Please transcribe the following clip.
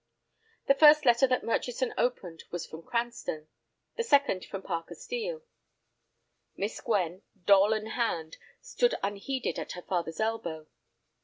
The first letter that Murchison opened was from Cranston; the second from Parker Steel. Miss Gwen, doll in hand, stood unheeded at her father's elbow.